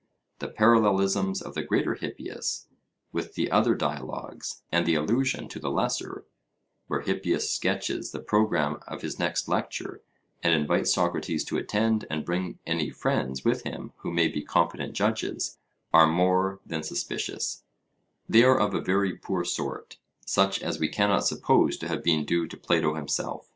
The parallelisms of the Greater Hippias with the other dialogues, and the allusion to the Lesser (where Hippias sketches the programme of his next lecture, and invites Socrates to attend and bring any friends with him who may be competent judges), are more than suspicious: they are of a very poor sort, such as we cannot suppose to have been due to Plato himself.